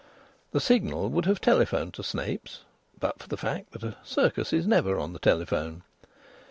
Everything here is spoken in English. The Signal would have telephoned to Snape's, but for the fact that a circus is never on the telephone.